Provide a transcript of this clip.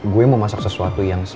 gue mau masak sesuatu yang spesial